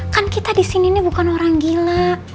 kan kita disini bukan orang gila